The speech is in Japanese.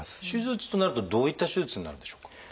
手術となるとどういった手術になるんでしょうか？